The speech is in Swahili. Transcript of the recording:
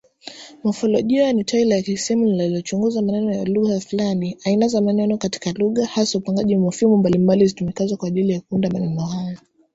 Mofolojia ni tawi la isimu linalochunguza maneno ya lugha fulani, aina za maneno katika lugha, hasa upangaji wa mofimu mbalimbali zitumikazo kwa ajili ya kuunda maneno hayo.